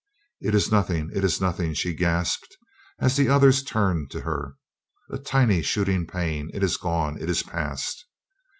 "It is nothing, it is nothing," she gasped as the others turned to her. "A tiny shooting pain. It is gone. It is past."